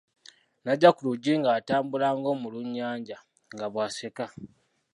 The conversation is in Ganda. N'ajja ku luggi ng'atambula ng'omulunnyanja, nga bw'aseka.